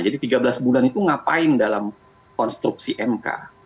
jadi tiga belas bulan itu ngapain dalam konstruksi mk